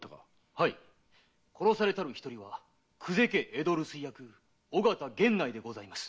はい殺されたる一人は久世家江戸留守居役尾形源内でございます。